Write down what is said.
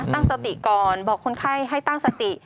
ตั้งสติก่อนบอกคนไข้ให้ตั้งสติ